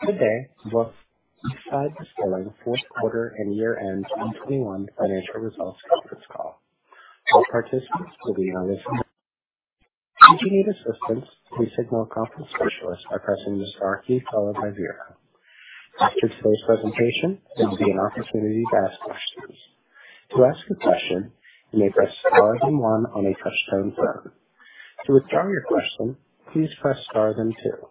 Good day. Welcome to Eastside Distilling Fourth Quarter and Year-end 2021 Financial Results Conference Call. All participants will be on listen-only. If you need assistance, please signal a conference specialist by pressing the star key followed by zero. After today's presentation, there will be an opportunity to ask questions. To ask a question, you may press star then one on a touch-tone phone. To withdraw your question, please press star then two.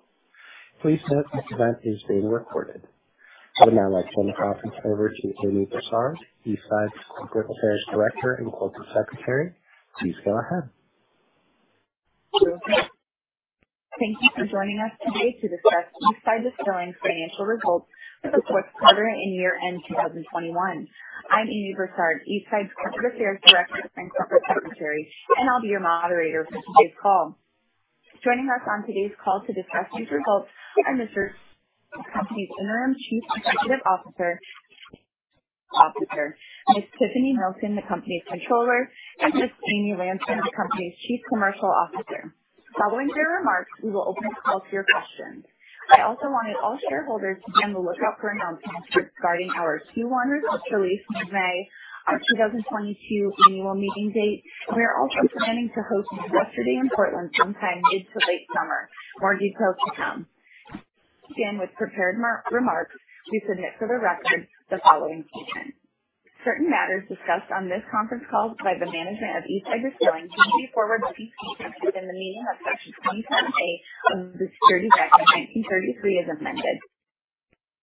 Please note this event is being recorded. I would now like to hand the conference over to Amy Brassard, Eastside's Corporate Affairs Director and Corporate Secretary. Please go ahead. Thank you for joining us today to discuss Eastside Distilling's financial results for the fourth quarter and year-end 2021. I'm Amy Brassard, Eastside's Corporate Affairs Director and Corporate Secretary, and I'll be your moderator for today's call. Joining us on today's call to discuss these results are Mr. Geoffrey Gwin, the company's Interim Chief Executive Officer; Ms. Tiffany Milton, the company's Controller; and Ms. Amy Lancer, the company's Chief Commercial Officer. Following their remarks, we will open the call to your questions. I also wanted all shareholders to be on the lookout for announcements regarding our 10-K release in May, our 2022 annual meeting date. We are also planning to host Investor Day in Portland sometime mid to late summer. More details to come. Again, with prepared remarks, we submit for the record the following statement. Certain matters discussed on this conference call by the management of Eastside Distilling could be forward-looking statements within the meaning of Section 27A of the Securities Act of 1933 as amended,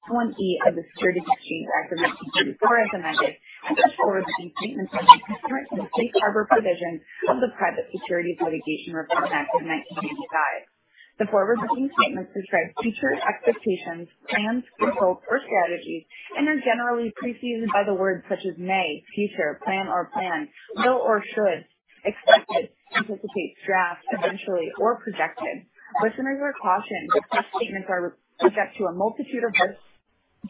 Section 20 of the Securities Exchange Act of 1934 as amended, and such forward-looking statements are made pursuant to the safe harbor provision of the Private Securities Litigation Reform Act of 1995. The forward-looking statements describe future expectations, plans, and hopes or strategies and are generally preceded by the words such as may, future, plan or plans, will or should, expected, anticipate, draft, eventually, or projected. Listeners are cautioned that such statements are subject to a multitude of risks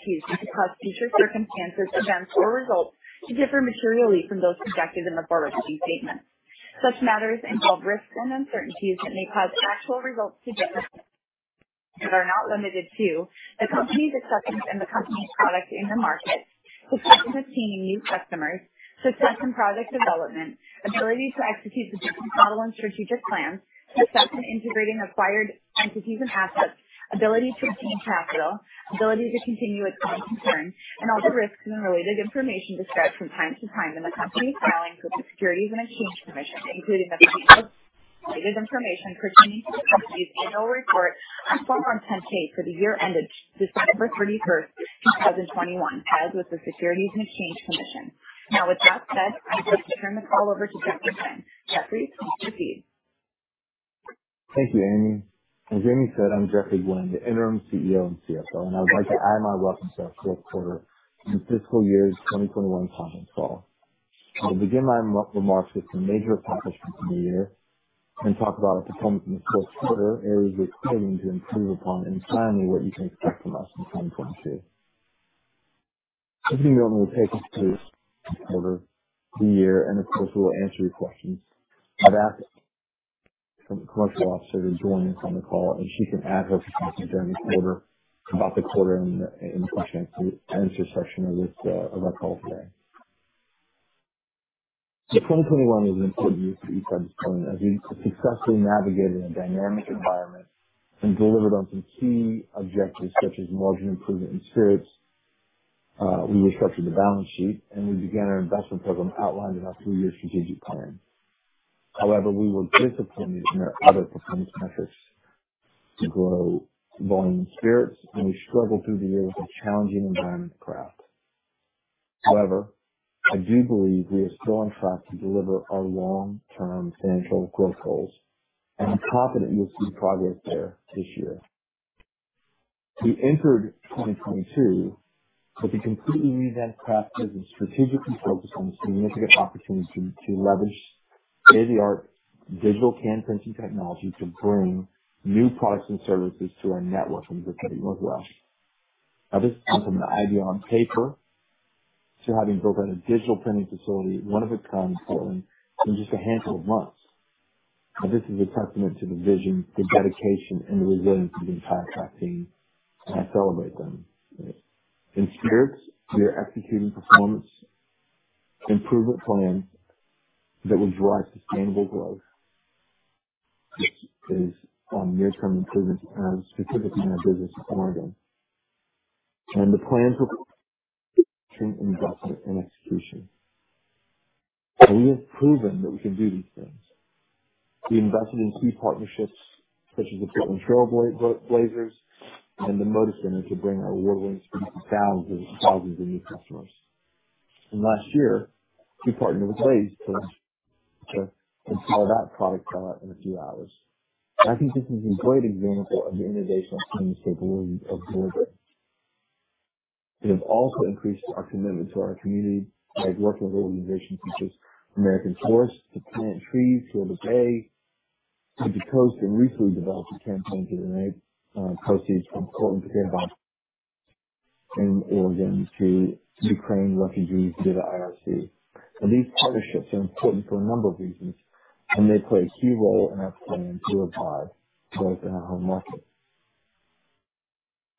and uncertainties that could cause future circumstances, events or results to differ materially from those projected in the forward-looking statements. Such matters involve risks and uncertainties that may cause actual results to differ, and are not limited to the company's assessments and the company's products in the market, success in obtaining new customers, success in product development, ability to execute the business model and strategic plans, success in integrating acquired entities and assets, ability to obtain capital, ability to continue as going concern, and all the risks and related information described from time to time in the company's filings with the Securities and Exchange Commission, including the table of related information pertaining to the company's annual report on Form 10-K for the year ended December 31, 2021 filed with the Securities and Exchange Commission. Now with that said, I'd like to turn the call over to Geoffrey Gwin. Geoffrey, please proceed. Thank you, Amy. As Amy said, I'm Geoffrey Gwin, the Interim Chief Executive Officer and Chief Financial Officer, and I would like to add my welcome to our fourth quarter and fiscal year 2021 conference call. I will begin my remarks with some major accomplishments of the year and talk about our performance in the fourth quarter, areas we are excited to improve upon, and finally, what you can expect from us in 2022. As Amy noted, we'll take you through the quarter, the year, and of course, we will answer your questions. I've asked the commercial officer to join us on the call, and she can add her perspective about the quarter in the question and answer section of our call today. 2021 was an important year for Eastside Distilling as we successfully navigated a dynamic environment and delivered on some key objectives such as margin improvement in spirits, we restructured the balance sheet, and we began our investment program outlined in our two-year strategic plan. However, we were disappointed in our other performance metrics to grow volume in spirits, and we struggled through the year with a challenging environment for craft. However, I do believe we are still on track to deliver our long-term financial growth goals, and I'm confident you'll see progress there this year. We entered 2022 with a completely revamped craft business strategically focused on the significant opportunity to leverage AVAR digital can printing technology to bring new products and services to our network and to category at large. Now, this went from an idea on paper to having built out a digital printing facility, one of a kind in Portland in just a handful of months. Now, this is a testament to the vision, the dedication, and the resilience of the entire craft team, and I celebrate them. In spirits, we are executing performance improvement plans that will drive sustainable growth. This is on near-term improvements, specifically in our business in Oregon, and the plan for investment and execution. We have proven that we can do these things. We invested in key partnerships such as the Portland Trail Blazers and the Moda Center to bring our award-winning spirits to thousands and thousands of new customers. Last year, we partnered with Blaze to install that product cooler in a few hours. I think this is a great example of the innovation and capability of delivery. We have also increased our commitment to our community by working with organizations such as American Forests to plant trees here in the Bay, to the coast, and recently developed a campaign to donate proceeds from Portland Craft Box in Oregon to Ukrainian refugees through the IRC. These partnerships are important for a number of reasons, and they play a key role in our plans to expand in our home market.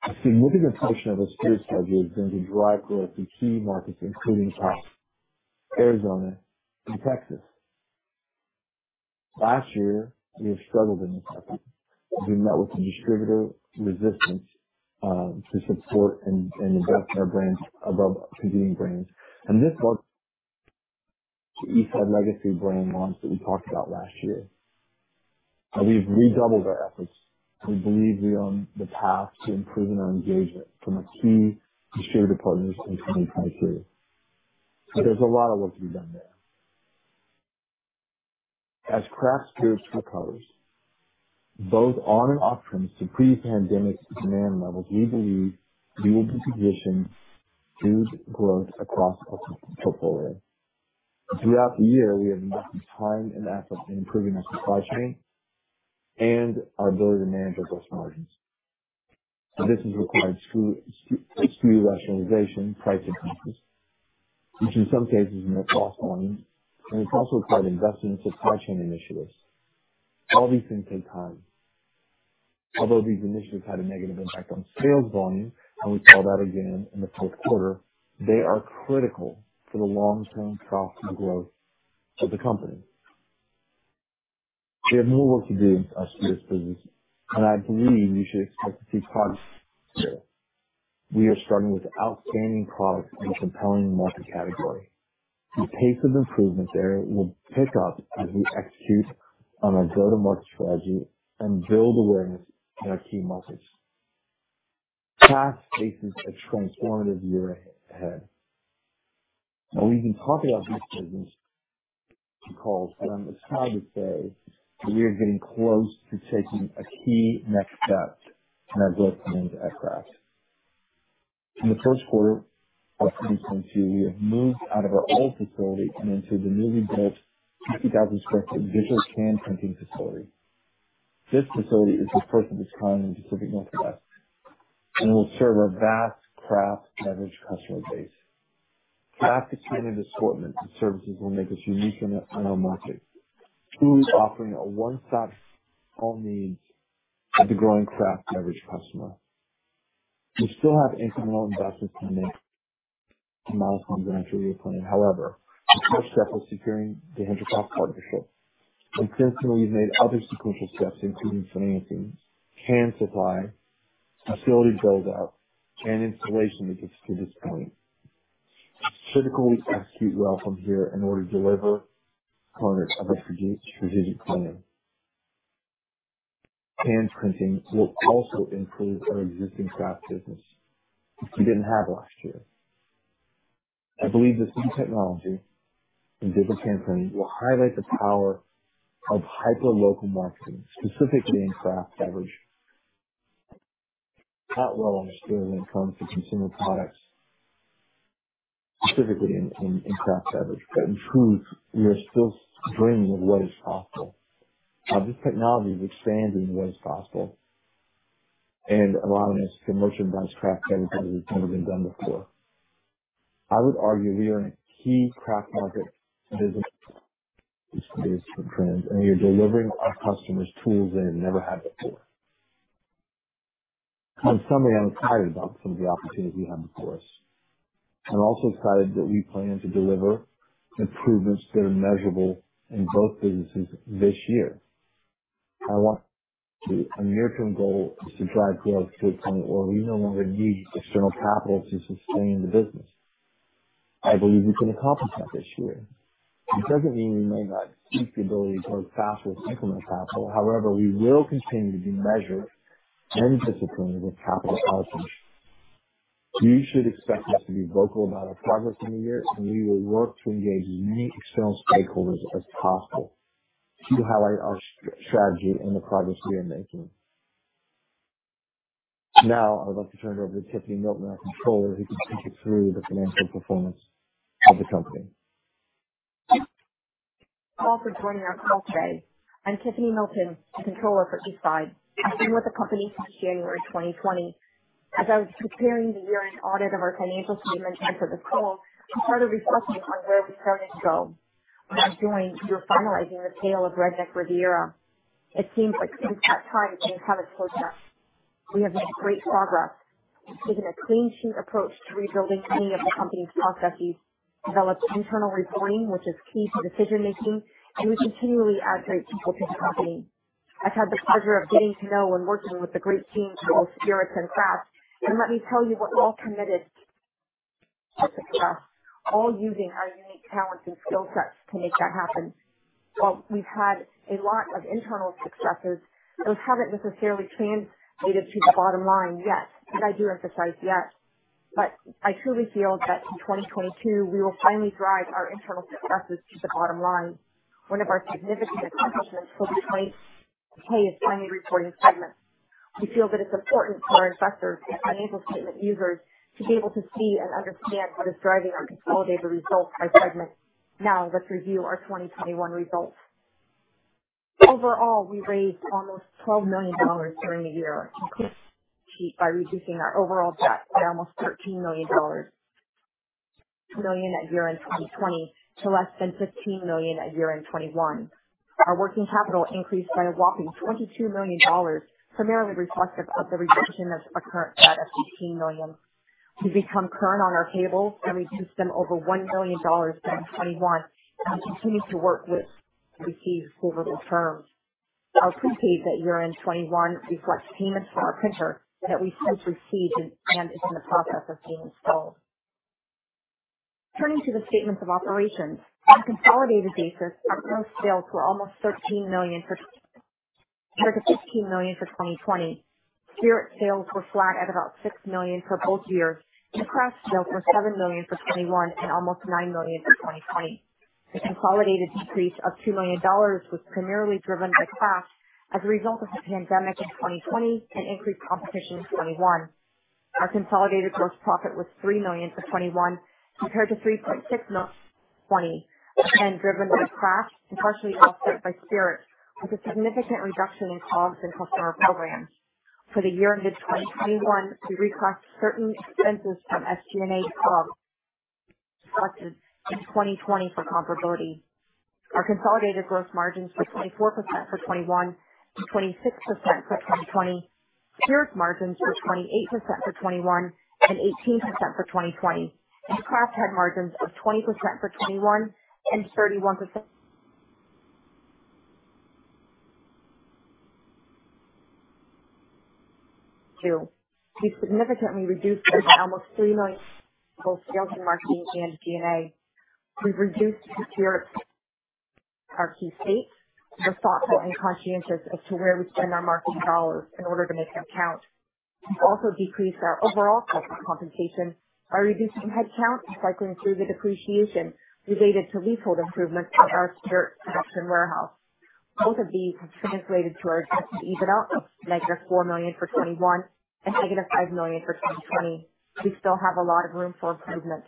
I've seen movement in a portion of our spirits category that is going to drive growth in key markets, including California, Arizona and Texas. Last year, we have struggled in this effort. We met with some distributor resistance to support and adopt our brands above competing brands. This was the Eastside legacy brand launch that we talked about last year. We've redoubled our efforts. We believe we are on the path to improving our engagement from key distributor partners in 2023. There's a lot of work to be done there. As craft spirits recovers, both on- and off-premise to pre-pandemic demand levels, we believe we will be positioned to capture growth across our portfolio. Throughout the year, we have invested time and effort in improving our supply chain and our ability to manage our gross margins. This has required SKU rationalization, price increases, which in some cases meant lost margins, and it's also required investment in supply chain initiatives. All these things take time. Although these initiatives had a negative impact on sales volume, and we saw that again in the fourth quarter, they are critical for the long-term profitable growth of the company. We have more work to do in our spirits business, and I believe you should expect to see progress this year. We are starting with outstanding products in a compelling market category. The pace of improvement there will pick up as we execute on our go-to-market strategy and build awareness in our key markets. Craft faces a transformative year ahead. Now, we've been talking about this business on calls, and I'm excited to say that we are getting close to taking a key next step in our growth plans at Craft. In the first quarter of 2022, we have moved out of our old facility and into the newly built 60,000 sq ft digital can printing facility. This facility is the first of its kind in the Pacific Northwest, and it will serve our vast craft beverage customer base. Craft's expanded assortment and services will make us unique in our market, truly offering a one-stop shop for all needs of the growing craft beverage customer. We still have incremental investments to make to finalize our initial year plan. However, the first step was securing the Hendrix Craft partnership. Since then, we've made other sequential steps, including financing, can supply, facility build out, and installation to get us to this point. It's critical we execute well from here in order to deliver upon our strategic plan. Can printing will also improve our existing Craft business, which we didn't have last year. I believe this new technology in digital can printing will highlight the power of hyper-local marketing, specifically in craft beverage. Not well understood when it comes to consumer products, specifically in craft beverage. In truth, we are still dreaming of what is possible. This technology is expanding what is possible and allowing us to merchandise craft beverage as it's never been done before. I would argue we are in a key craft market business space for brands, and we are delivering our customers tools they never had before. On Sunday, I'm excited about some of the opportunities we have before us. I'm also excited that we plan to deliver improvements that are measurable in both businesses this year. A near-term goal is to drive growth to a point where we no longer need external capital to sustain the business. I believe we can accomplish that this year. It doesn't mean we may not seek the ability to grow faster with incremental capital. However, we will continue to be measured and disciplined with capital allocation. You should expect us to be vocal about our progress in the year, and we will work to engage as many external stakeholders as possible to highlight our strategy and the progress we are making. Now, I would like to turn it over to Tiffany Milton, our Controller, who can take you through the financial performance of the company. Thank you all for joining our call today. I'm Tiffany Milton, Controller for Eastside. I've been with the company since January 2020. As I was preparing the year-end audit of our financial statements ahead of this call, I started reflecting on where we started to go. When I joined, we were finalizing the sale of Redneck Riviera. It seems like since that time, things haven't slowed down. We have made great progress, taken a clean sheet approach to rebuilding many of the company's processes, developed internal reporting, which is key to decision making, and we continually add great people to the company. I've had the pleasure of getting to know and working with a great team for both Spirits and Craft, and let me tell you, we're all committed to success, all using our unique talents and skill sets to make that happen. While we've had a lot of internal successes, those haven't necessarily translated to the bottom line yet, and I do emphasize yet. I truly feel that in 2022 we will finally drive our internal successes to the bottom line. One of our significant accomplishments will be to point, hey, it's finally reporting segments. We feel that it's important for our investors and financial statement users to be able to see and understand what is driving our consolidated results by segment. Now, let's review our 2021 results. Overall, we raised almost $12 million during the year, including by reducing our overall debt by almost $13 million from $13 million at year-end 2020 to less than $15 million at year-end 2021. Our working capital increased by a whopping $22 million, primarily reflective of the reduction of our current debt of $15 million. To become current on our payables, we reduced them over $1 million in 2021 and continue to work with vendors over the terms. Our prepaid at year-end 2021 reflects payments for our printer that we since received and is in the process of being installed. Turning to the statements of operations. On a consolidated basis, our gross sales were almost $13 million for 2021 compared to $15 million for 2020. Spirit sales were flat at about $6 million for both years, and Craft sales were $7 million for 2021 and almost $9 million for 2020. The consolidated decrease of $2 million was primarily driven by Craft as a result of the pandemic in 2020 and increased competition in 2021. Our consolidated gross profit was $3 million for 2021 compared to $3.6 million [for] 2020 and driven by Craft and partially offset by Spirit with a significant reduction in COGS and customer programs. For the year ended 2021, we reclassified certain expenses from SG&A to COGS reflected in 2020 for comparability. Our consolidated gross margins were 24% for 2021 and 26% for 2020. Spirit's margins were 28% for 2021 and 18% for 2020, and Craft had margins of 20% for 2021 and 31%. We significantly reduced our almost $3 million both sales and marketing and SG&A. We reduced Spirit in our key states. We're thoughtful and conscientious as to where we spend our marketing dollars in order to make them count. We've also decreased our overall compensation by reducing headcount, slightly improved the depreciation related to leasehold improvements at our Spirit production warehouse. Both of these have translated to our adjusted EBITDA of negative $4 million for 2021 and negative $5 million for 2020. We still have a lot of room for improvement.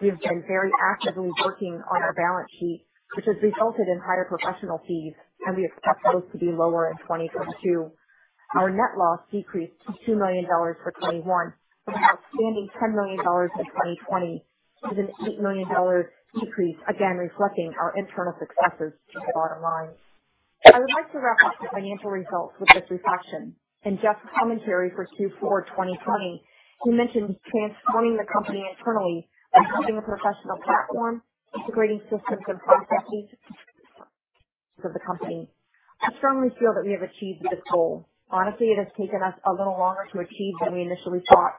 We have been very actively working on our balance sheet, which has resulted in higher professional fees, and we expect those to be lower in 2022. Our net loss decreased to $2 million for 2021 from an outstanding $10 million in 2020. It is an $8 million decrease, again reflecting our internal successes to the bottom line. I would like to wrap up the financial results with this reflection. In Geoff's commentary for 2/4/2020, he mentioned transforming the company internally by building a professional platform, integrating systems and processes of the company. I strongly feel that we have achieved this goal. Honestly, it has taken us a little longer to achieve than we initially thought.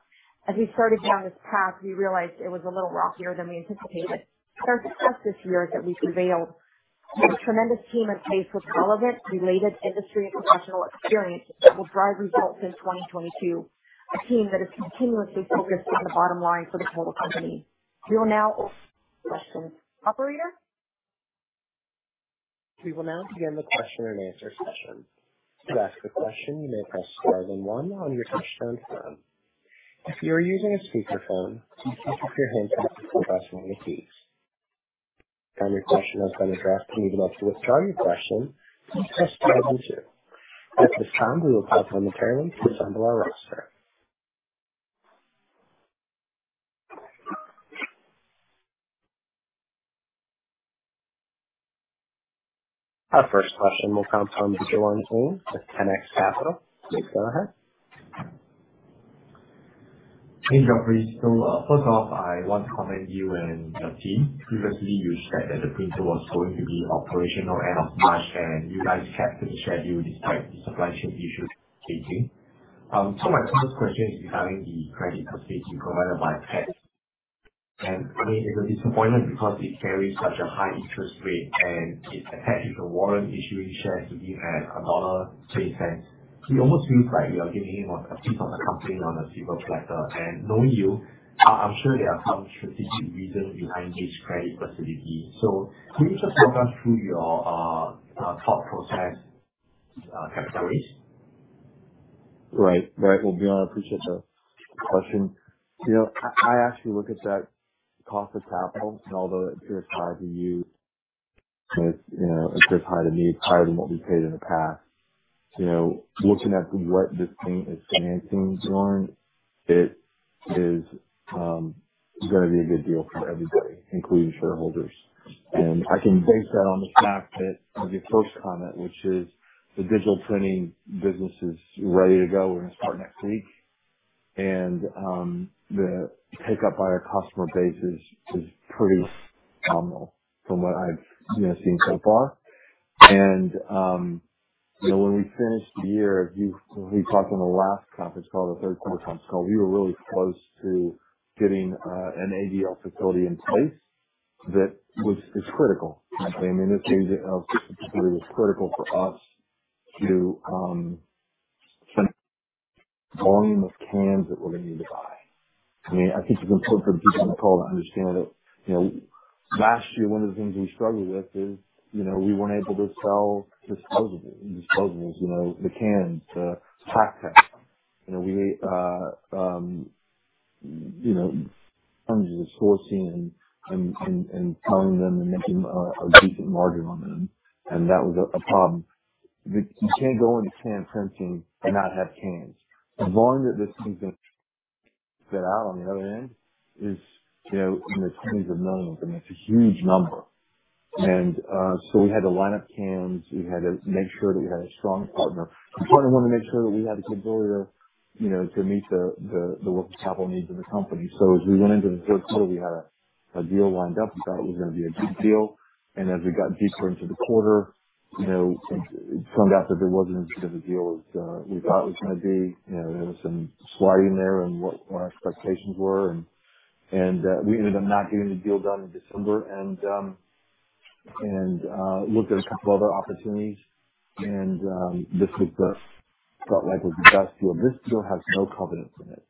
As we started down this path, we realized it was a little rockier than we anticipated. I'm proud this year that we prevailed. We have a tremendous team in place with relevant related industry professional experience that will drive results in 2022. A team that is continuously focused on the bottom line for the total company. We will now open for questions. Operator? We will now begin the question and answer session. To ask a question, you may press star then one on your touch-tone phone. If you are using a speakerphone, be sure to pick up your handset before pressing any keys. When your question has been addressed, even if you withdraw your question, please press star then two. At this time, we will pause briefly to assemble our roster. Our first question will come from the line of 10X Capital. Please go ahead. Hey, Geoffrey. First off, I want to commend you and your team. Previously you said that the printer was going to be operational end of March and you guys kept to the schedule despite the supply chain issues facing. My first question is regarding the credit facility provided by Pat Kilpatrick. I mean, it's a disappointment because it carries such a high interest rate and it's attached with a warrant issuing shares to him at. [inaudible] It almost feels like you are giving him a piece of the company on a silver platter. Knowing you, I'm sure there are some strategic reasons behind this credit facility. Can you just walk us through your thought process, kind of story? Well, I appreciate the question. You know, I actually look at that cost of capital and although it appears high to you, it appears high to me, higher than what we paid in the past. You know, looking at what this thing is financing, John, it is gonna be a good deal for everybody, including shareholders. I can base that on the fact that of your first comment, which is the digital printing business is ready to go. We're gonna start next week. The take-up by our customer base is pretty phenomenal from what I've seen so far. When we finished the year, we talked on the last conference call, the third quarter conference call, we were really close to getting an ABL facility in place. That was critical. I mean, this ABL facility is critical for us to the volume of cans that we're gonna need to buy. I mean, I think you can help the people on the call understand that, you know, last year one of the things we struggled with is, you know, we weren't able to sell disposables, the cans. You know, in terms of sourcing and selling them and making a decent margin on them, and that was a problem. You can't go into can printing and not have cans. The volume that this thing's gonna get out on the other end is, you know, in the tens of millions. I mean, that's a huge number. We had to line up cans. We had to make sure that we had a strong partner. We probably wanna make sure that we had the ability to meet the working capital needs of the company. As we went into the third quarter, we had a deal lined up. We thought it was gonna be a good deal. As we got deeper into the quarter, it turned out that there wasn't as good of a deal as we thought it was gonna be. There was some sliding there on what our expectations were. We ended up not getting the deal done in December and looked at a couple other opportunities. This felt like it was the best deal. This deal has no covenants in it.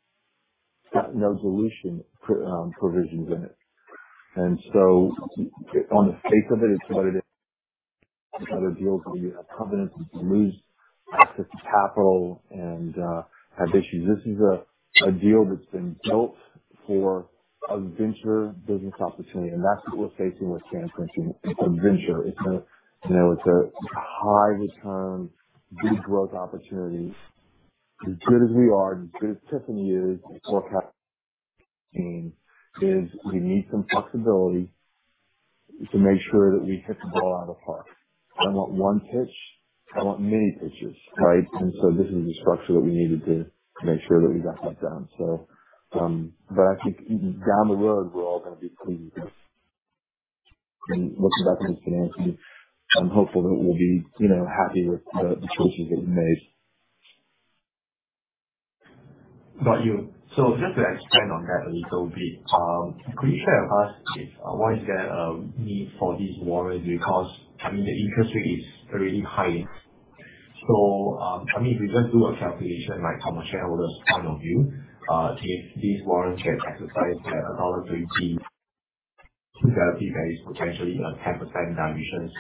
It's got no dilution provisions in it. On the face of it's what it is. Other deals where you have covenants, you can lose access to capital and have issues. This is a deal that's been built for a venture business opportunity. That's what we're facing with can printing. It's a venture. You know, it's a high return, big growth opportunity. As good as we are, as good as Tiffany is, the forecast team is we need some flexibility to make sure that we hit the ball out of the park. I want one pitch. I want many pitches, right? This is the structure that we needed to make sure that we got that done. But I think even down the road, we're all gonna be pleased with this. Looking back on this financially, I'm hopeful that we'll be, you know, happy with the choices that we made. Got you. Just to expand on that a little bit, could you share with us why there is a need for these warrants? Because, I mean, the interest rate is already high. I mean, if we just do a calculation like from a shareholder's point of view, if these warrants get exercised at, [inaudible] there is potentially 10% dilution.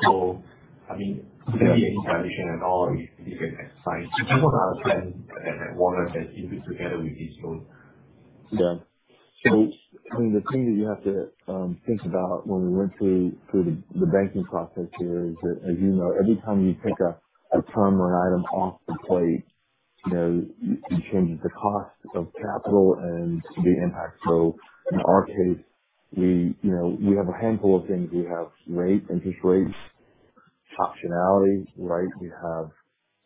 I mean, is there any dilution at all if it gets exercised? I just want to understand that warrant and if it's together with this loan. Yeah. I mean, the thing that you have to think about when we went through the banking process here is that, as you know, every time you take a term or an item off the plate, you know, you change the cost of capital and the impact. In our case, you know, we have a handful of things. We have rate, interest rates, optionality, right? We have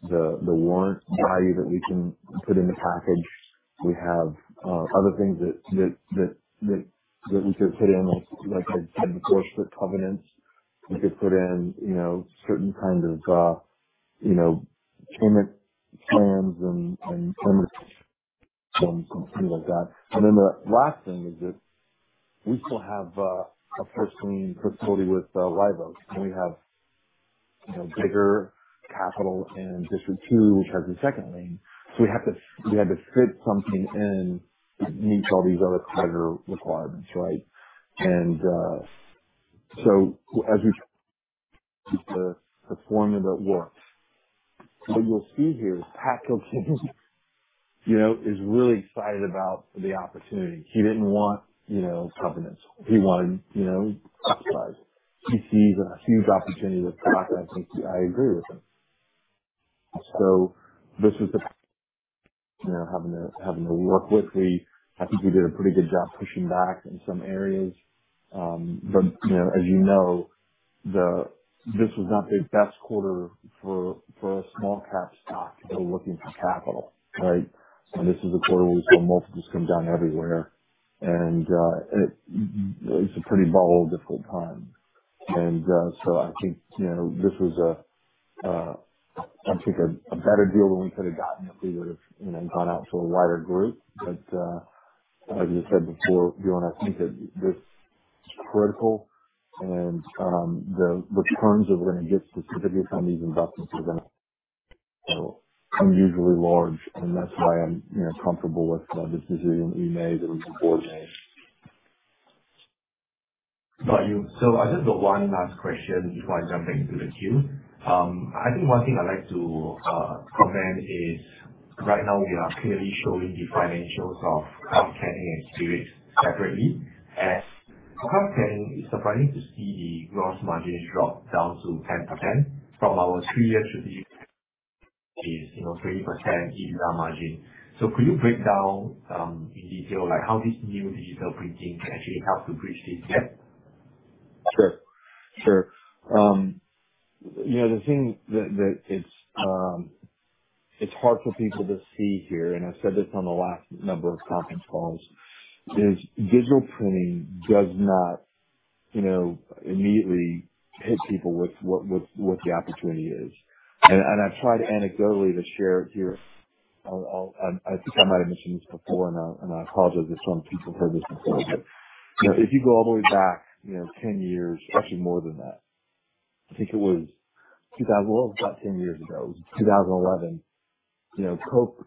the warrant value that we can put in the package. We have other things that we could put in, like I said, the certain covenants. We could put in, you know, certain kinds of, you know, payment plans and terms and things like that. Then the last thing is that we still have a first lien facility with Live Oak. We have, you know, Bigger Capital in District 2, which has the second lien. We had to fit something in that meets all these other creditor requirements, right? The formula that works. What you'll see here is Pat Kilpatrick, you know, is really excited about the opportunity. He didn't want, you know, covenants. He wanted, you know, upside. He sees a huge opportunity with the product. I think I agree with him. This is the, you know, having to work with. I think we did a pretty good job pushing back in some areas. You know, as you know. This was not the best quarter for a small cap stock that are looking for capital, right? This is a quarter where we saw multiples come down everywhere. It's a pretty volatile, difficult time. So I think, you know, this was a better deal than we could have gotten if we would've, you know, gone out to a wider group. As you said before, Bjorn, I think that this is critical and the returns that we're gonna get specifically from these investments are gonna be unusually large. That's why I'm, you know, comfortable with the decision we made and we support making. Got you. I just got one last question before I jump into the queue. I think one thing I'd like to comment is right now we are clearly showing the financials of Craft and Spirit separately. As Craft, it's surprising to see the gross margins drop down to 10% from our three-year history, which is, you know, 20% EBITDA margin. Could you break down in detail like how this new digital printing can actually help to bridge this gap? Sure. You know, the thing that it's hard for people to see here, and I've said this on the last number of conference calls, is digital printing does not, you know, immediately hit people with what the opportunity is. I've tried anecdotally to share here. I think I might have mentioned this before, and I apologize if some people have heard this before. You know, if you go all the way back, you know, 10 years, actually more than that. About 10 years ago. It was 2011. You know, Coke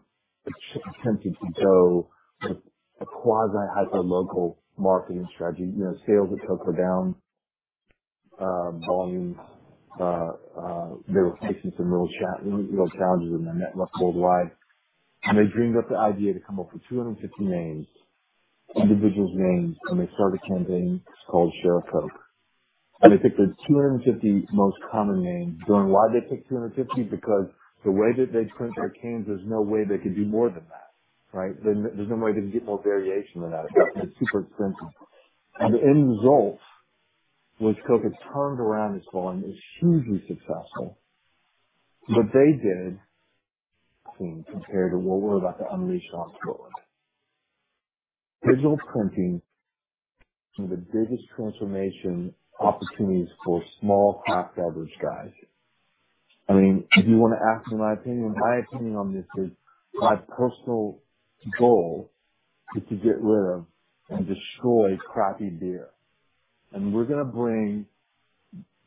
attempted to go with a quasi-hyperlocal marketing strategy. You know, sales at Coke were down. Volume, they were facing some real challenges in their network worldwide, and they dreamed up the idea to come up with 250 names, individuals' names, and they started a campaign called Share a Coke. They picked the 250 most common names. You know, and why'd they pick 250? Because the way that they printed their cans, there's no way they could do more than that, right? There's no way they can get more variation than that. It's super expensive. The end result was Coke has turned around this volume. It's hugely successful. What they did compared to what we're about to unleash on Portland. Digital printing is the biggest transformation opportunities for small craft beverage guys. I mean, if you wanna ask for my opinion, my opinion on this is my personal goal is to get rid of and destroy crappy beer. We're gonna bring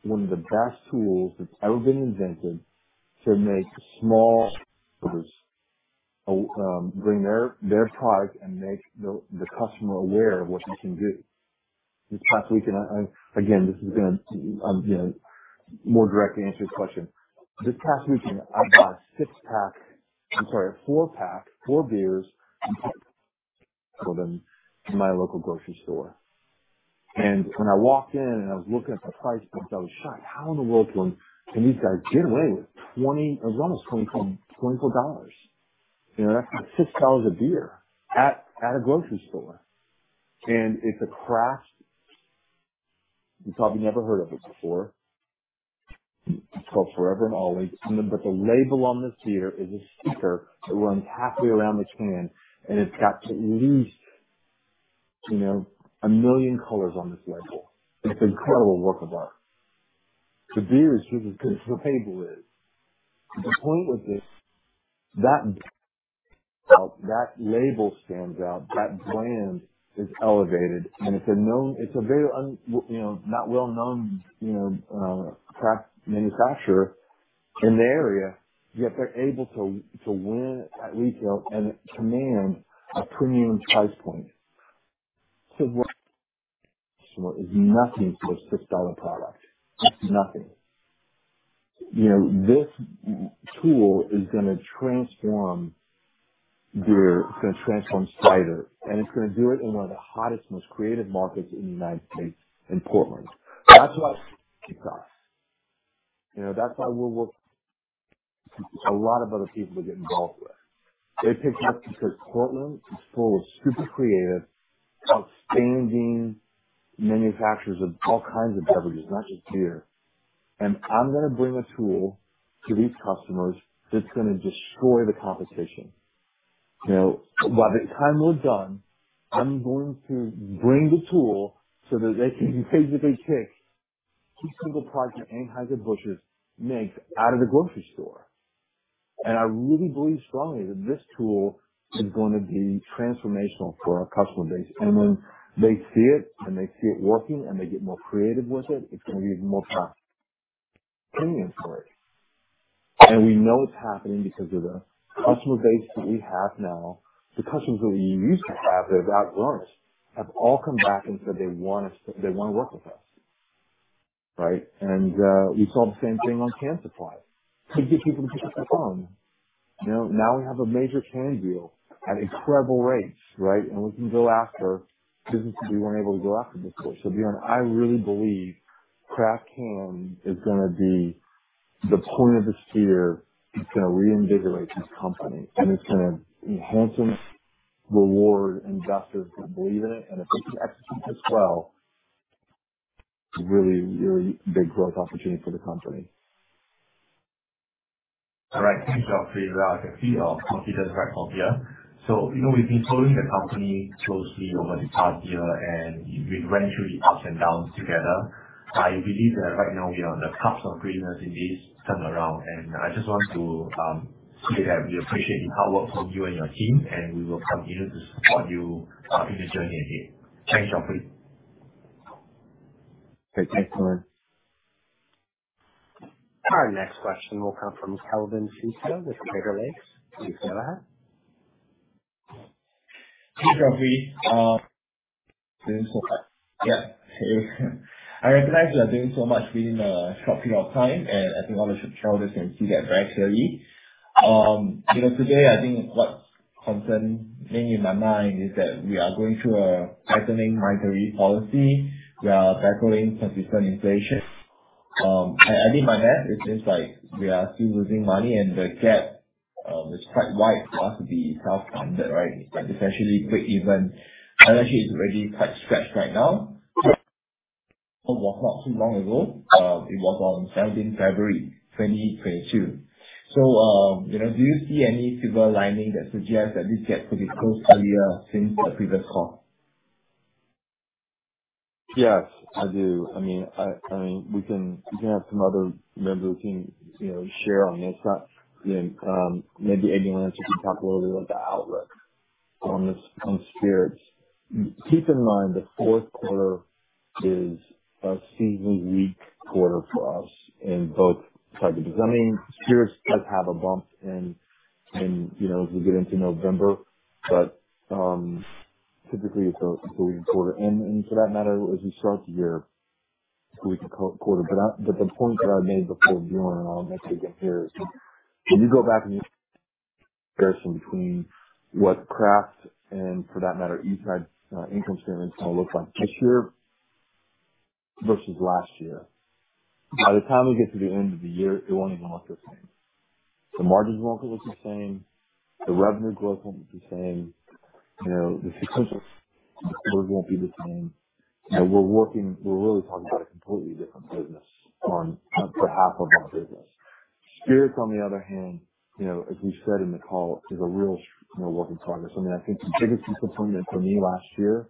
one of the best tools that's ever been invented to make small brewers bring their product and make the customer aware of what they can do. Again, this is gonna, you know, more directly answer your question. This past weekend, I bought a 6-pack, I'm sorry, a 4-pack, 4 beers for them in my local grocery store. When I walked in and I was looking at the price points, I was shocked. How in the world can these guys get away with $24. It was almost $24. You know, that's like $6 a beer at a grocery store. It's a craft. You probably never heard of it before. It's called Foreland. The label on this beer is a sticker that runs halfway around the can, and it's got at least, you know, a million colors on this label. It's an incredible work of art. The beer is just as good as the label is. The point of this is how that label stands out, that brand is elevated, and it's a very not well-known, you know, craft manufacturer in the area, yet they're able to win at retail and command a premium price point. It's nothing for a $6 product. It's nothing. You know, this tool is gonna transform beer. It's gonna transform cider, and it's gonna do it in one of the hottest, most creative markets in the United States, in Portland. That's why we kicked off. You know, that's why we'll work with a lot of other people to get involved with. It takes guts because Portland is full of super creative, outstanding manufacturers of all kinds of beverages, not just beer. I'm gonna bring a tool to these customers that's gonna destroy the competition. You know, by the time we're done, I'm going to bring the tool so that they can basically take Keystone's products that Anheuser-Busch makes out of the grocery store. I really believe strongly that this tool is gonna be transformational for our customer base. When they see it, and they see it working, and they get more creative with it's gonna be even more premium for it. We know it's happening because of the customer base that we have now. The customers that we used to have that have outgrown us have all come back and said they wanna work with us, right? We saw the same thing on can supply to get people to pick up the phone. You know, now we have a major can deal at incredible rates, right? We can go after businesses we weren't able to go after before. Bjorn, I really believe craft can is gonna be the point of the spear that's gonna reinvigorate this company, and it's gonna enhance and reward investors that believe in it. If we can execute this well, really, really big growth opportunity for the company. All right. Thanks, Geoffrey. I can see your confidence right here. You know, we've been following the company closely over the past year, and we went through the ups and downs together. I believe that right now we are on the cusp of really seeing this turn around. I just want to say that we appreciate the hard work from you and your team, and we will continue to support you in this journey ahead. Thanks, Geoffrey. Okay. Thanks, Bjorn. Our next question will come from Calvin Fuster with Tiger Global. Please go ahead. Hey, Geoffrey. I recognize you are doing so much within a short period of time, and I think all the shareholders can see that very clearly. You know, today, I think what's concerning in my mind is that we are going through a tightening monetary policy. We are battling persistent inflation. I did my math. It seems like we are still losing money, and the gap is quite wide for us to be self-funded, right? Especially breakeven. The balance sheet is already quite stretched right now. It was not too long ago. It was on 17th February 2022. You know, do you see any silver lining that suggests that this gap could be closed earlier since the previous call? Yes, I do. I mean, we can have some other members of the team, you know, share on this. You know, maybe Adrian or Andrew can talk a little bit about the outlook on spirits. Keep in mind, the fourth quarter is a seasonally weak quarter for us in both categories. I mean, spirits does have a bump in you know, as we get into November. Typically it's a lagging quarter and for that matter, as we start the year, it's a lagging quarter. The point that I made before, Joan, and I'll let you get there is when you go back and the comparison between what Craft and for that matter, Eastside income statements gonna look like this year versus last year. By the time we get to the end of the year, it won't even look the same. The margins won't look the same, the revenue growth won't look the same. You know, the success won't be the same. You know, we're really talking about a completely different business on for half of our business. Spirits, on the other hand, you know, as we said in the call, is a real, you know, work in progress. I mean, I think the biggest disappointment for me last year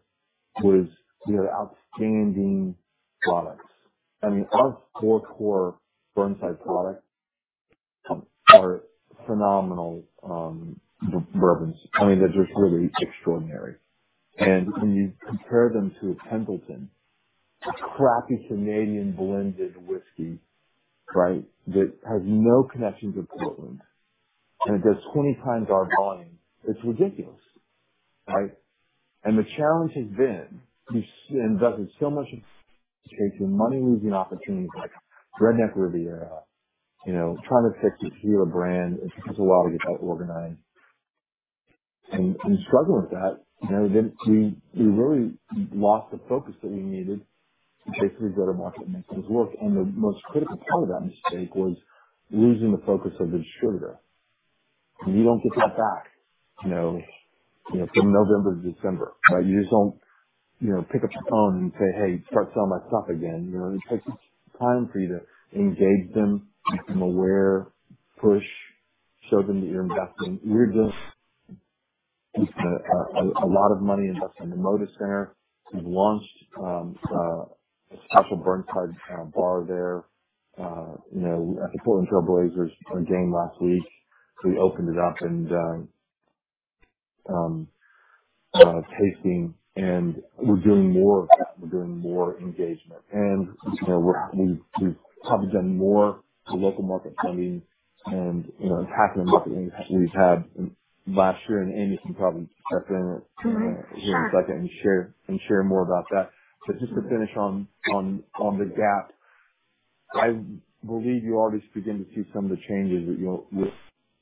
was we had outstanding products. I mean, our core Burnside products are phenomenal, bourbons. I mean, they're just really extraordinary. When you compare them to a Templeton, a crappy Canadian blended whiskey, right? That has no connection to Portland, and it does 20x our volume, it's ridiculous, right? The challenge has been we've invested so much in chasing money-losing opportunities like Redneck Riviera, you know, trying to fix a so-so brand. It takes a while to get that organized. In struggling with that, you know, then we really lost the focus that we needed to basically go to market and make things work. The most critical part of that mistake was losing the focus of the distributor. You don't get that back, you know, from November to December, right? You just don't, you know, pick up the phone and say, "Hey, start selling my stuff again." You know, it takes time for you to engage them, make them aware, push, show them that you're investing. We just lost a lot of money investing in the Moda Center. We've launched a Burnside bar there, you know, at the Portland Trailblazers game last week. We opened it up and tasting and we're doing more of that. We're doing more engagement. You know, we've probably done more for local market funding and, you know, attacking the market we've had last year. Amy can probably jump in. Mm-hmm. Sure. Here in a second and share more about that. Just to finish on the gap, I believe you're already beginning to see some of the changes that we're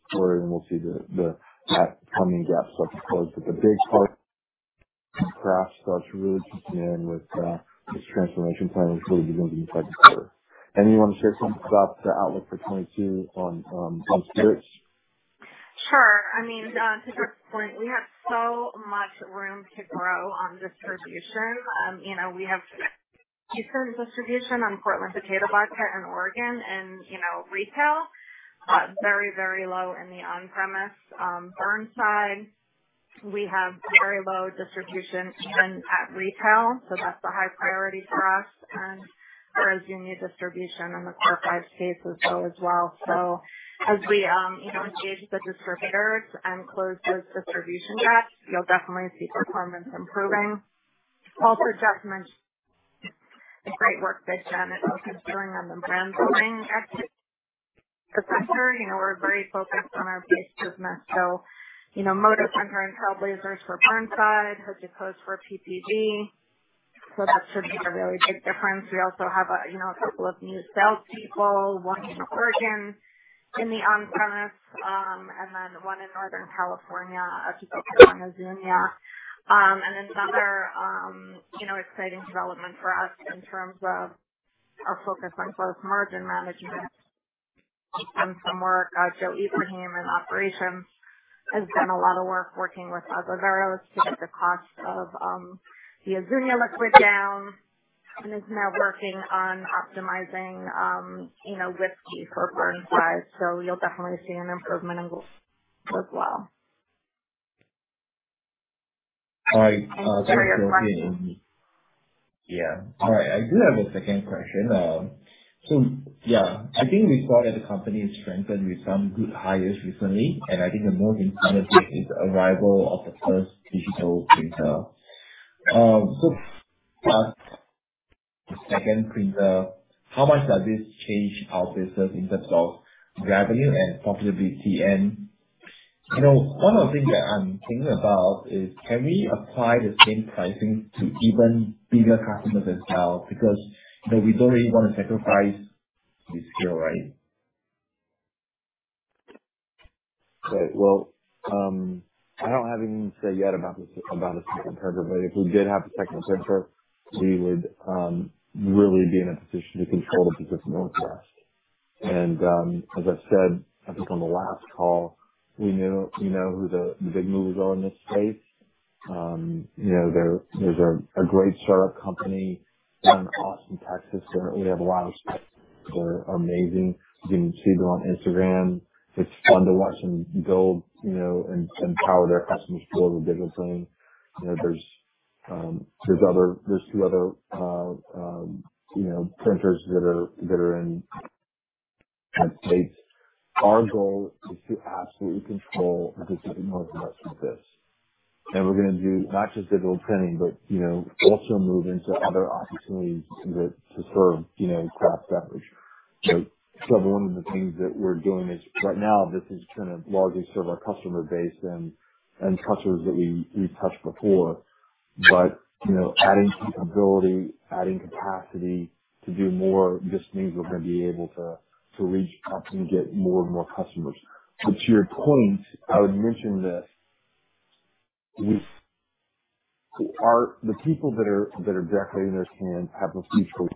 exploring. We'll see the upcoming gap start to close. The big part, Craft starts really kicking in with this transformation plan is really beginning to take effect. Amy, you wanna share some thoughts on the outlook for 2022 on spirits? Sure. I mean, to Geoff's point, we have so much room to grow on distribution. You know, we have decent distribution on Portland Potato Vodka here in Oregon and, you know, retail, very, very low in the on-premise. Burnside, we have very low distribution even at retail, so that's a high priority for us. For Azuñia distribution in the core five states as well. As we, you know, engage the distributors and close those distribution gaps, you'll definitely see performance improving. Also, Geoff mentioned the great work that Jen is doing on the brand building activity. You know, we're very focused on our place of mass. You know, Moda Center and Trail Blazers for Burnside, Hood To Coast for PPG. That should make a really big difference. We also have, you know, a couple of new sales people, one in Oregon in the on-premise, and then one in Northern California, a few focused on Azuñia. Another, you know, exciting development for us in terms of our focus on gross margin management and some work. Joe Ibrahim in operations has done a lot of work working with us, Alvaro, to get the cost of the Azuñia liquid down and is now working on optimizing, you know, whiskey for Burnside. You'll definitely see an improvement in those as well. All right. Yeah. All right. I do have a second question. Yeah, I think we saw that the company has strengthened with some good hires recently, and I think the most important of it is the arrival of the first digital printer. Plus the second printer, how much does this change our business in terms of revenue and profitability? You know, one of the things that I'm thinking about is, can we apply the same pricing to even bigger customers as well? Because, you know, we don't really wanna sacrifice this deal, right? Right. Well, I don't have anything to say yet about the second printer, but if we did have a second printer, we would really be in a position to control the digital inkjet. As I said, I think on the last call, we know who the big movers are in this space. You know, there's a great startup company down in Austin, Texas, that we have a lot of respect for. They're amazing. You can see them on Instagram. It's fun to watch them build, you know, and power their customers build a digital thing. You know, there's other, two other printers that are in that space. Our goal is to absolutely control the digital inkjet like this. We're gonna do not just digital printing, but, you know, also move into other opportunities that to serve, you know, craft beverage. One of the things that we're doing is right now this is gonna largely serve our customer base and customers that we've touched before. You know, adding capability, adding capacity to do more just means we're gonna be able to reach out and get more and more customers. To your point, I would mention that we are the people that are decorating their cans have the feature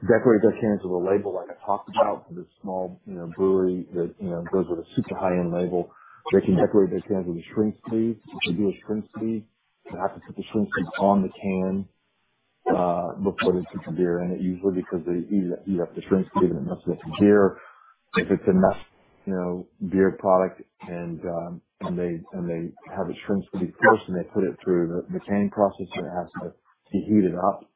to decorate their cans with a label like I talked about for the small, you know, brewery that, you know, goes with a super high-end label. They can decorate their cans with a shrink sleeve. If you do a shrink sleeve, you have to put the shrink sleeve on the can before they put the beer in it, usually because they heat up the shrink sleeve, and it messes up the beer. If it's a mess, you know, beer product and they have a shrink sleeve first and they put it through the can process, it has to be heated up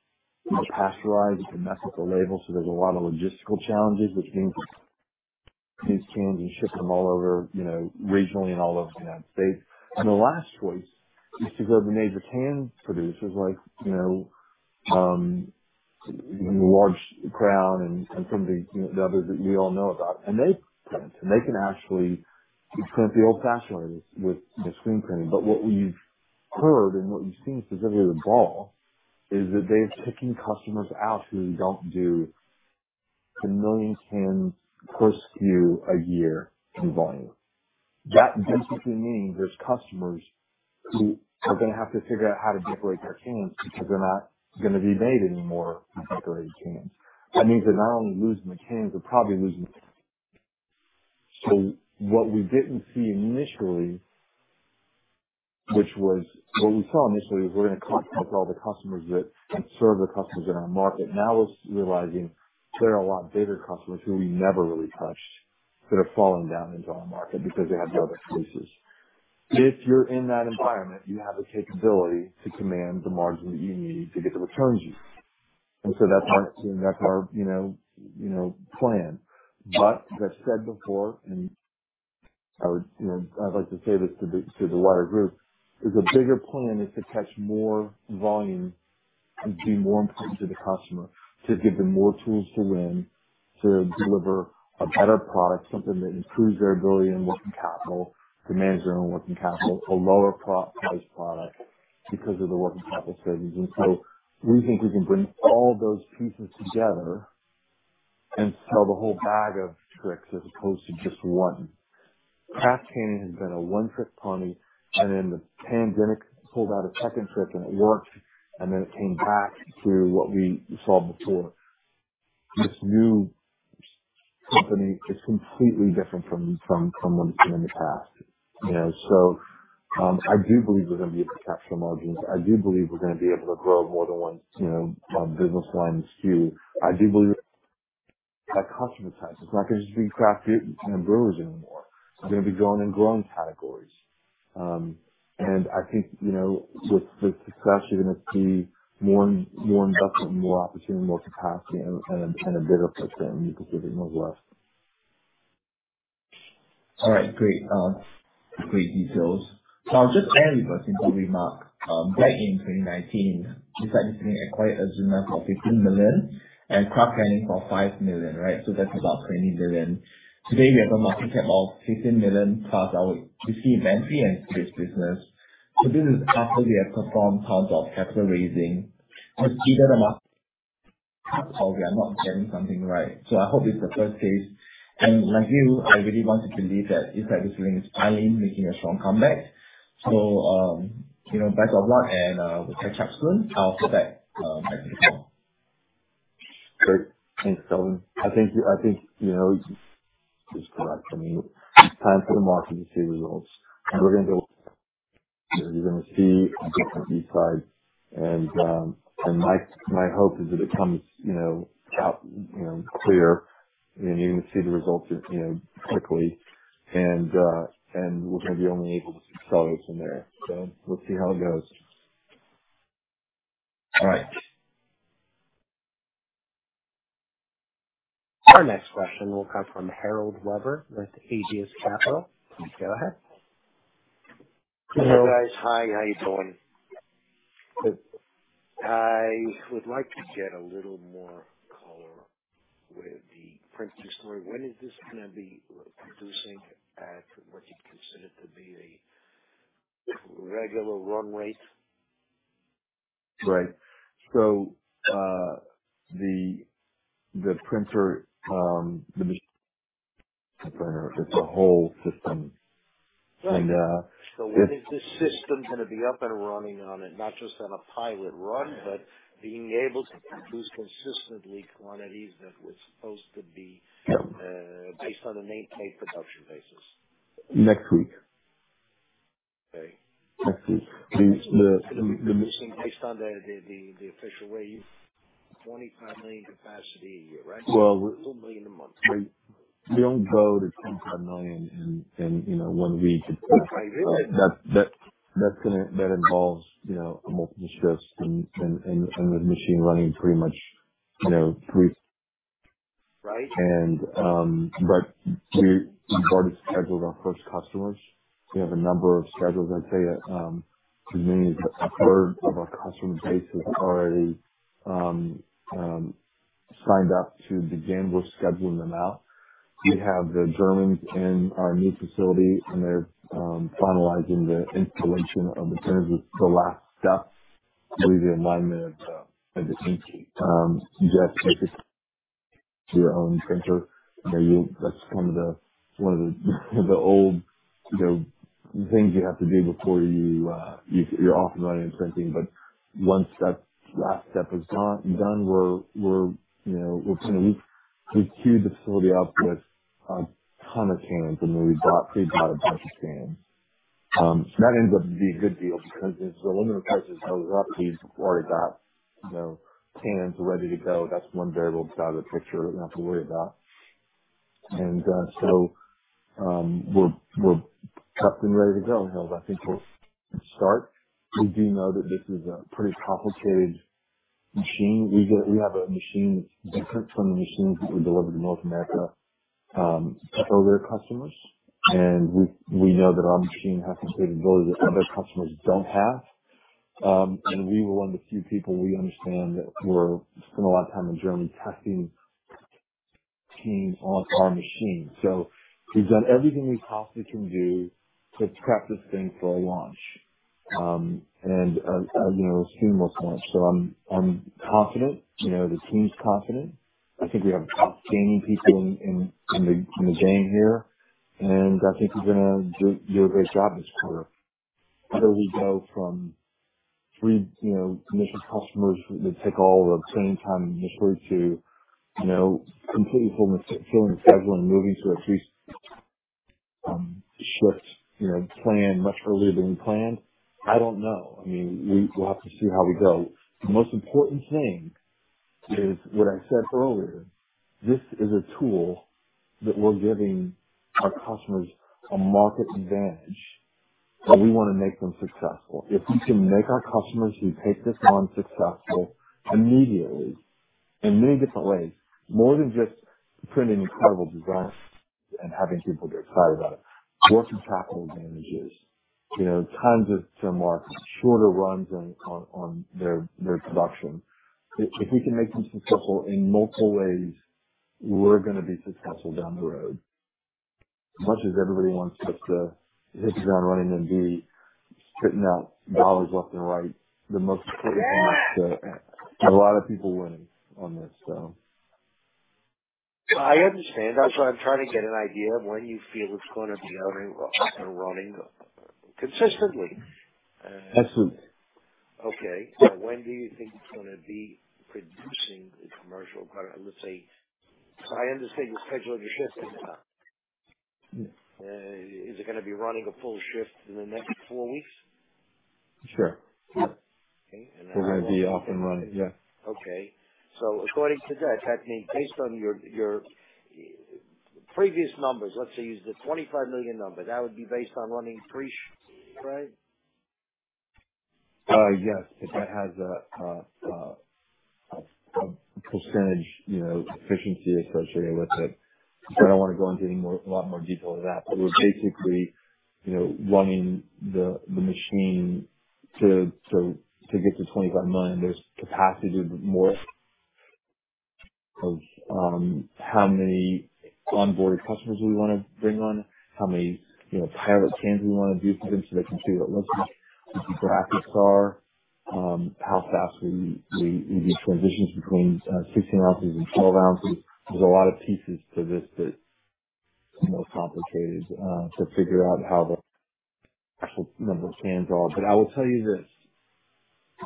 to pasteurize. It can mess with the label. So there's a lot of logistical challenges, which means these cans, you ship them all over, you know, regionally and all over the United States. The last choice is to go to the major can producers like, you know, large Crown and some of the, you know, the others that we all know about. They print, and they can actually do printing the old-fashioned way with screen printing. What we've heard and what we've seen specifically with Ball is that they're kicking customers out who don't do 1 million cans plus SKU a year in volume. That basically means there's customers who are gonna have to figure out how to decorate their cans because they're not gonna be made anymore as decorated cans. That means they're not only losing the cans, they're probably losing. What we saw initially was we're gonna contact all the customers that can serve the customers in our market. Now it's realizing there are a lot bigger customers who we never really touched that have fallen down into our market because they have no other choices. If you're in that environment, you have the capability to command the margin that you need to get the returns you need. That's our, that's our you know plan. As I said before, and I would, you know, I'd like to say this to the wider group, is the bigger plan is to catch more volume and be more important to the customer, to give them more tools to win, to deliver a better product, something that improves their ability and working capital, to manage their own working capital at a lower pro-priced product because of the working capital savings. We think we can bring all those pieces together and sell the whole bag of tricks as opposed to just one. Craft Canning has been a one-trick pony, and then the pandemic pulled out a second trick, and it worked, and then it came back to what we saw before. This new company is completely different from what it's been in the past. You know? I do believe we're gonna be able to capture the margins. I do believe we're gonna be able to grow more than one, you know, business line SKU. I do believe that customer types, it's not gonna just be craft beer and brewers anymore. They're gonna be growing and growing categories. I think, you know, with success, you're gonna see more investment, more opportunity, more capacity and a bit of a different mix of the Midwest. All right. Great, great details. I'll just end with a simple remark. Back in 2019, Eastside Distilling acquired Azuñia for $15 million and Craft Canning for $5 million, right? That's about $20 million. Today, we have a market cap of $15 million plus our equity in Manatee and today's business. This is after we have performed rounds of capital raising. It's either the market cap or we are not getting something right. I hope it's the first case. Like you, I really want to believe that Eastside Distilling is finally making a strong comeback. You know, best of luck and we'll catch up soon. I'll step back to the call. Great. Thanks, Calvin. I think you know it's correct. I mean, it's time for the market to see results. We're gonna go. You're gonna see a different Eastside. My hope is that it comes you know out you know clear, and you can see the results you know quickly. We're gonna be only able to accelerate from there. Let's see how it goes. All right. Our next question will come from Harold Weber with Aegis Capital. Please go ahead. Hello. Hey, guys. Hi. How you doing? Good. I would like to get a little more color with the printer story. When is this gonna be producing at what you'd consider to be the regular run rate? Right. The printer is a whole system. Right. And, uh- When is this system gonna be up and running on it, not just on a pilot run, but being able to produce consistently quantities that were supposed to be, based on an 8,000 production basis? Next week. Okay. Next week. Based on the official rate, 25 million capacity a year, right? Well- $2 million a month. We don't go to $25 million in, you know, 1 week. Okay. That involves, you know, multiple shifts and the machine running pretty much, you know, three- Right. We've already scheduled our first customers. We have a number of schedules. I'd say, to me, a third of our customer base is already signed up to begin. We're scheduling them out. We have the Germans in our new facility, and they're finalizing the installation of the cans. It's the last step. I believe the alignment of the ink. You just take it to your own printer. You know, that's one of the old things you have to do before you're off and running and printing. Once that last step is gone and done, we're gonna queue the facility up with a ton of cans, and then we bought a bunch of cans. That ends up being a good deal because as the aluminum prices go up, we've already got, you know, cans ready to go. That's one variable that's out of the picture that we don't have to worry about. We're prepped and ready to go. You know, I think we'll start. We do know that this is a pretty complicated machine. We have a machine different from the machines that we deliver to North America, to other customers. We know that our machine has capabilities that other customers don't have. We were one of the few people we understand that spent a lot of time in Germany testing teams on our machine. We've done everything we possibly can do to prep this thing for a launch, you know, a few more points. I'm confident, you know, the team's confident. I think we have top gaming people in the game here, and I think we're gonna do a great job this quarter. How do we go from three initial customers that take all of training time initially to complete fullness, filling the schedule and moving to at least shift plan much earlier than we planned? I don't know. I mean, we will have to see how we go. The most important thing is what I said earlier. This is a tool that we're giving our customers a market advantage, and we want to make them successful. If we can make our customers who take this on successful immediately in many different ways, more than just printing incredible designs and having people get excited about it, working capital advantages. You know, tons of marks, shorter runs on their production. If we can make them successful in multiple ways, we're gonna be successful down the road. As much as everybody wants to hit the ground running and be printing out dollars left and right, the most critical piece to a lot of people winning on this, so. I understand. That's why I'm trying to get an idea of when you feel it's going to be up and running consistently. Absolutely. Okay. When do you think it's gonna be producing a commercial product? I understand the schedule of your shift is not. Mm-hmm. Is it gonna be running a full shift in the next four weeks? Sure. Okay. We're gonna be up and running. Yeah. Okay. According to that means based on your previous numbers, let's say use the $25 million number. That would be based on running three shifts, right? Yes. It has a percentage, you know, efficiency associated with it. I don't want to go into any more, a lot more detail of that, but we're basically, you know, running the machine to get to $25 million. There's capacities of more of how many onboard customers we wanna bring on, how many, you know, pilot cans we wanna do for them so they can see what it looks like, what the graphics are, how fast we do transitions between 16 ounces and 12 ounces. There's a lot of pieces to this that are more complicated to figure out how the actual number of cans are. I will tell you this.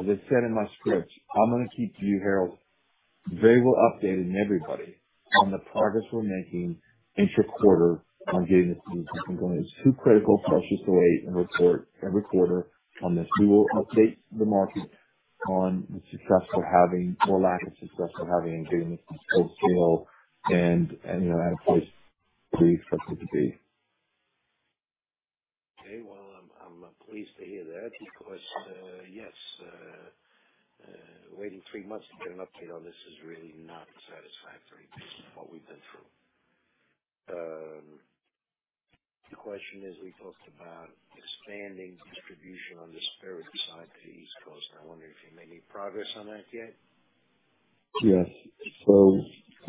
As I said in my script, I'm gonna keep you, Harold, very well updated, and everybody on the progress we're making inter-quarter on getting this piece up and going. There's two critical press releases to watch and report every quarter on this. We will update the market on the success we're having or lack of success we're having in getting this to go scale. You know, I expect it to be. Okay. Well, I'm pleased to hear that because, yes, waiting three months to get an update on this is really not satisfactory based on what we've been through. The question is, we talked about expanding distribution on the spirit side to the East Coast, and I wonder if you made any progress on that yet. Yes.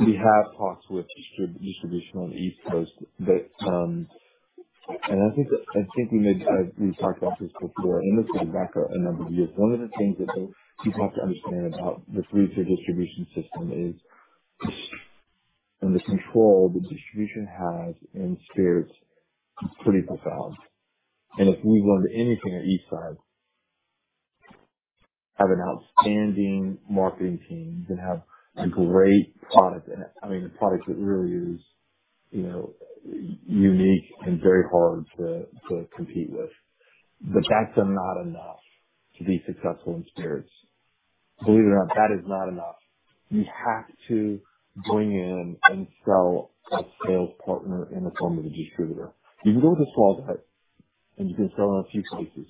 We have talks with distribution on the East Coast. I think we may have. We've talked about this before. I'm looking back a number of years. One of the things that the people have to understand about the three-tier distribution system is the control the distribution has in spirits is pretty profound. If we learned anything on the Eastside, have an outstanding marketing team that have a great product in it. I mean, a product that really is unique and very hard to compete with. That's not enough to be successful in spirits. Believe it or not, that is not enough. We have to bring in and sell a sales partner in the form of a distributor. You can go with a small guy, and you can sell in a few places.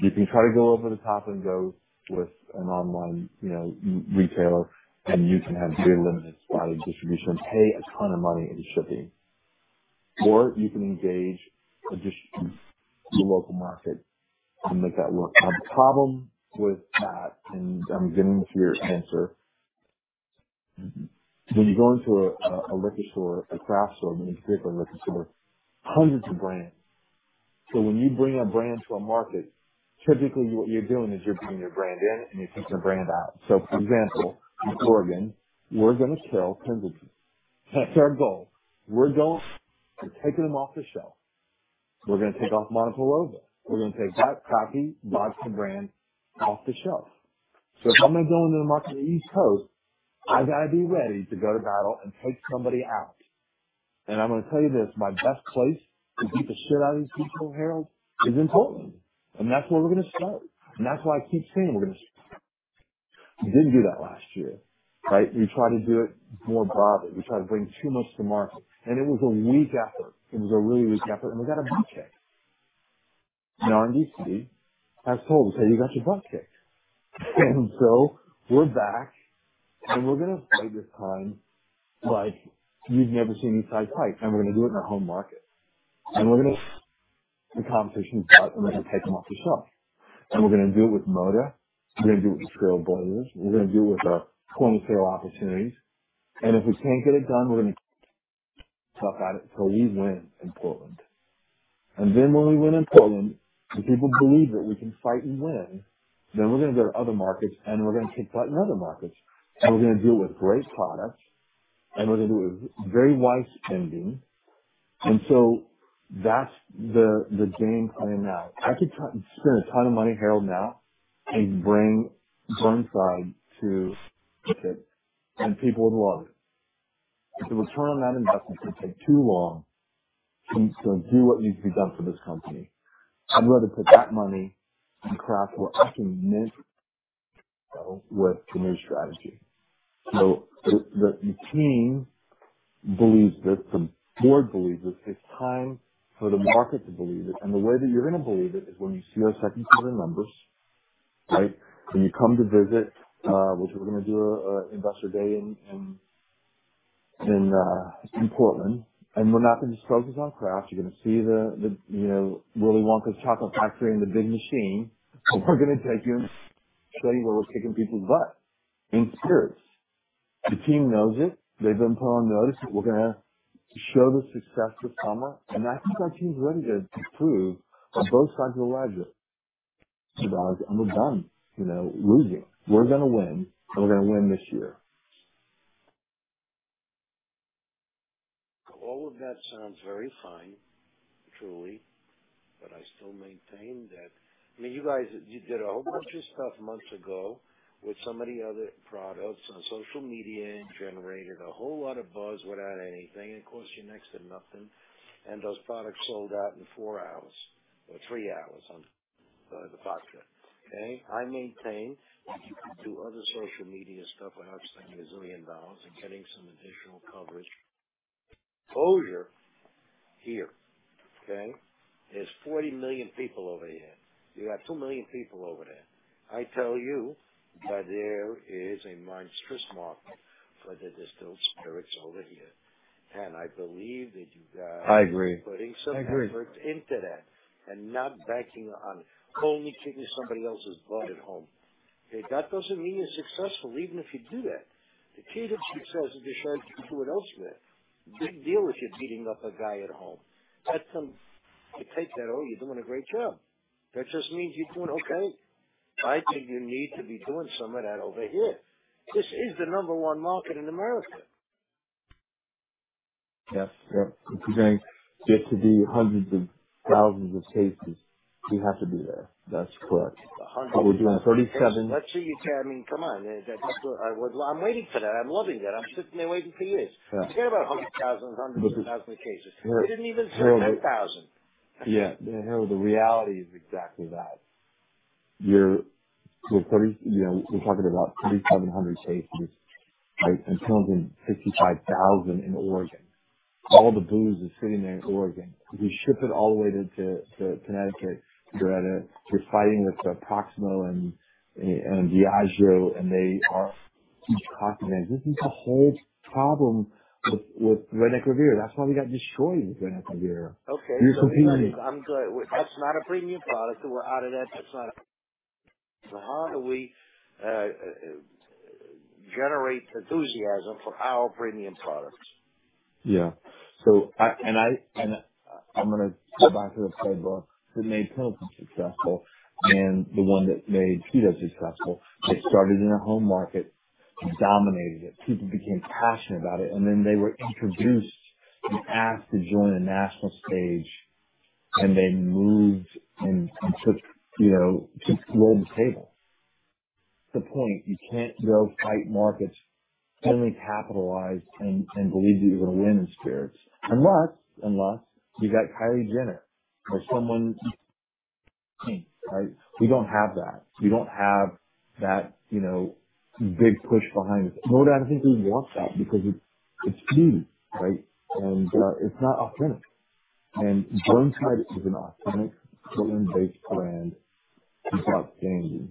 You can try to go over the top and go with an online, you know, e-retailer, and you can have very limited spotty distribution and pay a ton of money in shipping. You can engage distributors to the local market and make that work. Now, the problem with that, and I'm getting to your answer. Mm-hmm. When you go into a liquor store, a craft store, I mean, particularly a liquor store, hundreds of brands. When you bring a brand to a market, typically what you're doing is you're bringing your brand in and you're taking a brand out. For example, in Oregon, we're gonna sell Pendleton. That's our goal. We're going to take them off the shelf. We're gonna take off Montelobos. We're gonna take that crappy vodka brand off the shelf. If I'm gonna go into the market on the East Coast, I gotta be ready to go to battle and take somebody out. I'm gonna tell you this, my best place to beat the shit out of these people, Harold, is in Portland. That's where we're gonna start. That's why I keep saying we're gonna. We didn't do that last year, right? We tried to do it more broadly. We tried to bring too much to market, and it was a weak effort. It was a really weak effort, and we got our butt kicked. In RDC, I was told, "Hey, you got your butt kicked." We're back, and we're gonna play this time like you've never seen inside paint. We're gonna do it in our home market. We're gonna kick the competition's butt, and we're gonna take them off the shelf. We're gonna do it with Moda. We're gonna do it with Trail Blazers. We're gonna do it with our 20 sales opportunities. If we can't get it done, we're gonna suck at it till we win in Portland. When we win in Portland, the people believe that we can fight and win, then we're gonna go to other markets, and we're gonna kick butt in other markets. We're gonna do it with great products, and we're gonna do it with very wise spending. That's the game plan now. I could try and spend a ton of money, Harold, now, and bring Burnside to market, and people would love it. The return on that investment could take too long to do what needs to be done for this company. I'm going to put that money into Craft, which I think meshes with the new strategy. The team believes this. The board believes it. It's time for the market to believe it. The way that you're gonna believe it is when you see our second quarter numbers, right? When you come to visit, which we're gonna do an investor day in Portland, and we're not gonna just focus on craft. You're gonna see the you know, Willy Wonka's chocolate factory and the big machine. We're gonna take you and show you where we're kicking people's butt in spirits. The team knows it. They've been put on notice. We're gonna show the success this summer, and I think our team's ready to prove on both sides of the ledger that we're done, you know, losing. We're gonna win, and we're gonna win this year. All of that sounds very fine, truly, but I still maintain that, I mean, you guys, you did a whole bunch of stuff months ago with so many other products on social media and generated a whole lot of buzz without anything. It cost you next to nothing. Those products sold out in 4 hours or 3 hours on the podcast. Okay. I maintain that you can do other social media stuff without spending a zillion dollars and getting some additional coverage. Coverage here. Okay. There's 40 million people over here. You got 2 million people over there. I tell you that there is a monstrous market for the distilled spirits over here. I believe that you guys I agree. are putting some effort into that and not banking on only kicking somebody else's butt at home. Okay? That doesn't mean you're successful, even if you do that. The key to success is to show you can do it elsewhere. Big deal if you're beating up a guy at home. That's some. You take that, oh, you're doing a great job. That just means you're doing okay. I think you need to be doing some of that over here. This is the number one market in America. Yes. Yep. Continuing to get to do hundreds of thousands of cases, we have to do that. That's correct. Hundreds of thousands of cases? We're doing 37- Let's see you. I mean, come on. I'm still waiting for that. I'm loving that. I'm sitting there waiting for years. Yeah. Forget about 100,000, hundreds of thousands of cases. Here- You didn't even sell 10,000. Yeah. Yeah, Harold, the reality is exactly that. You know, we're talking about 3,700 cases, right? And $26,500 in Oregon. All the booze is sitting there in Oregon. We ship it all the way to Connecticut. We're fighting with Proximo and Diageo, and they are huge companies. This is the whole problem with Redneck Riviera. That's why we got destroyed with Redneck Riviera. Okay. We're competing. That's not a premium product. We're out of that. How do we generate enthusiasm for our premium products? Yeah. I'm gonna go back to the playbook that made Pendleton successful and the one that made Tito's successful. They started in a home market and dominated it. People became passionate about it, and then they were introduced and asked to join a national stage, and they moved and took, you know, stole the table. The point, you can't go fight markets, only capitalize and believe that you're gonna win in spirits. Unless you got Kylie Jenner or someone. Right? We don't have that. We don't have that, you know, big push behind us. But I think we want that because it's huge, right? It's not authentic. Burnside is an authentic, Portland-based brand. It's outstanding.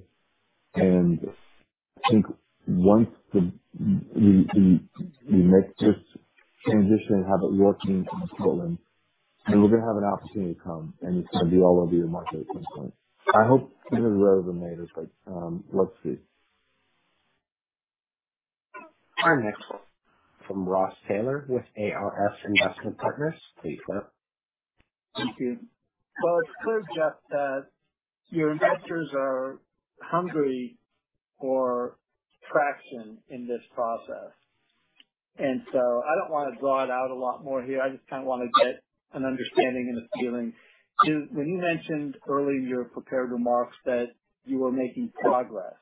I think once you make this transition and have it working and controlling, we're gonna have an opportunity to come and do all of the marketing things going. I hope sooner rather than later, but let's see. Our next from Ross Taylor with ARS Investment Partners. Please go ahead. Thank you. Well, it's clear, Geoff, that your investors are hungry for traction in this process. I don't wanna draw it out a lot more here. I just kinda wanna get an understanding and a feeling. When you mentioned earlier in your prepared remarks that you were making progress,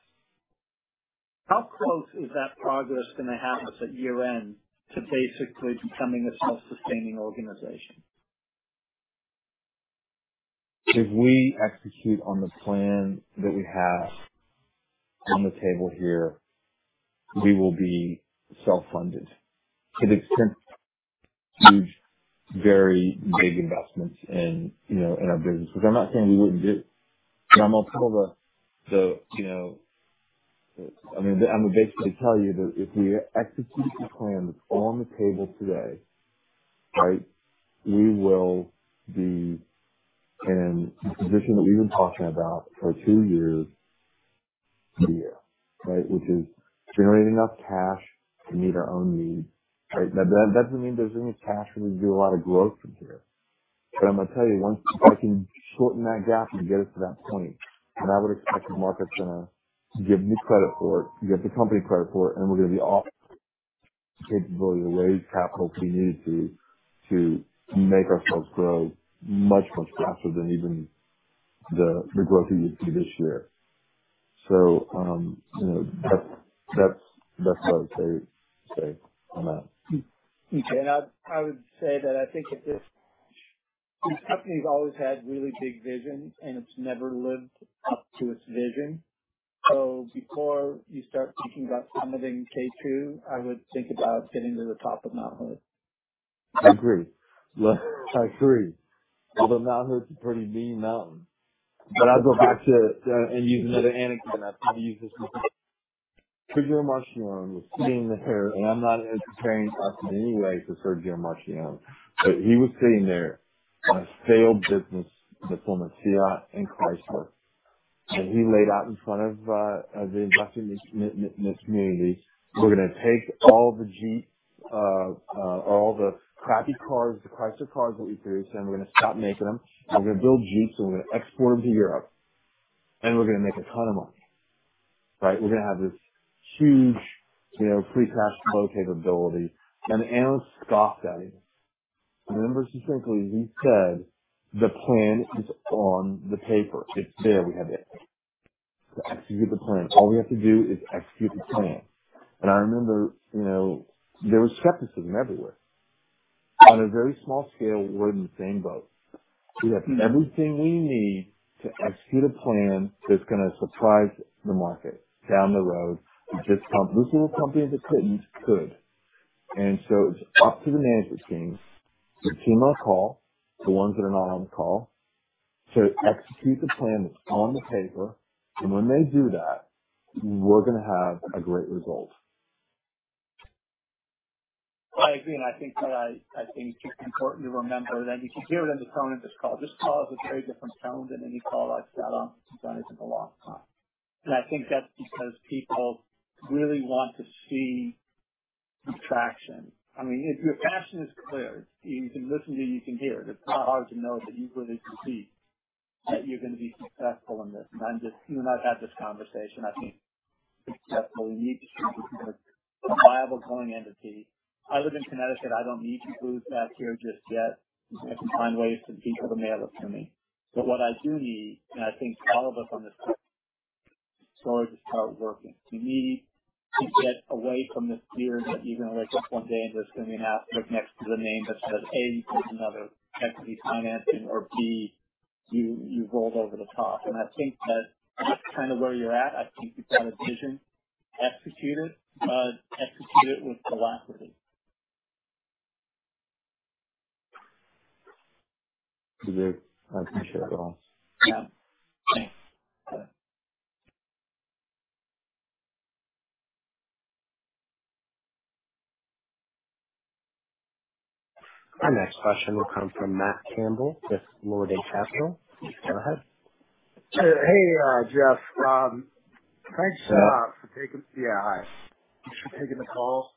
how close is that progress gonna happen at year-end to basically becoming a self-sustaining organization? If we execute on the plan that we have on the table here, we will be self-funded to the extent huge, very big investments in, you know, in our business, because I'm not saying we wouldn't do it. I'm gonna tell the, you know. I mean, I'm gonna basically tell you that if we execute the plan that's on the table today, right, we will be in the position that we've been talking about for two years this year, right? Which is generating enough cash to meet our own needs, right? That doesn't mean there's any cash, we're gonna do a lot of growth from here. I'm gonna tell you, once I can shorten that gap and get us to that point, then I would expect the market's gonna give me credit for it, give the company credit for it, and we're gonna be off to the capability to raise capital if we need to make ourselves grow much, much faster than even the growth you would see this year. You know, that's what I would say on that. Okay. I would say that I think that this company's always had really big vision, and it's never lived up to its vision. Before you start thinking about summiting K2, I would think about getting to the top of Mount Hood. I agree. Yes, I agree. Although Mount Hood's a pretty mean mountain. I'd go back to and use another anecdote, and I've probably used this before. Sergio Marchionne was sitting there, and I'm not in any way for Sergio Marchionne, but he was sitting there on a failed business before with Fiat and Chrysler. He laid out in front of of the investing community, "We're gonna take all the Jeep, all the crappy cars, the Chrysler cars that we produce, and we're gonna stop making them. We're gonna build Jeeps, and we're gonna export them to Europe, and we're gonna make a ton of money." Right? "We're gonna have this huge, you know, free cash flow capability." Analyst scoffed at him. I remember so simply he said, "The plan is on the paper. It's there. We have it. Execute the plan. All we have to do is execute the plan." I remember, you know, there was skepticism everywhere. On a very small scale, we're in the same boat. We have everything we need to execute a plan that's gonna surprise the market down the road. This little company in the couldn'ts could. It's up to the management team, the team on call, the ones that are not on the call, to execute the plan that's on the paper. When they do that, we're gonna have a great result. I agree, I think it's important to remember that, and you can hear it in the tone of this call. This call is a very different tone than any call I've sat on since I've been here for a long time. I think that's because people really want to see some traction. I mean, your passion is clear. You can listen to it, you can hear it. It's not hard to know that you really can see that you're gonna be successful in this. I'm just, you and I've had this conversation, I think successfully. We need to see this as a viable going entity. I live in Connecticut. I don't need to move back here just yet. I can find ways to be able to mail it to me. What I do need, and I think all of us on this call, is for it to start working. We need to get away from this fear that you're gonna wake up one day and there's gonna be an asterisk next to the name that says, A, there's another equity financing, or B, you've rolled over the top. I think that that's kinda where you're at. I think you've got a vision. Execute it, but execute it with velocity. I appreciate it, Ross. Yeah. Thanks. Our next question will come from Matt Campbell with Morgan Stanley. Please go ahead. Hey, Geoff. Yeah, hi. Thanks for taking the call.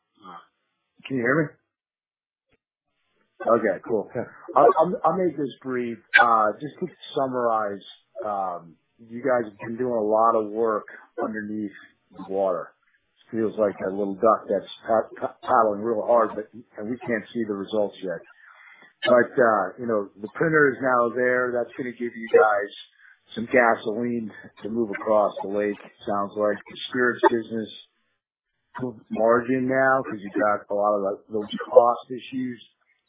Can you hear me? Okay, cool. I'll make this brief. Just to summarize, you guys have been doing a lot of work underneath the water. It feels like a little duck that's paddling real hard, but we can't see the results yet. You know, the printer is now there. That's gonna give you guys some gasoline to move across the lake, sounds like. The spirits business margin now, because you've got a lot of those cost issues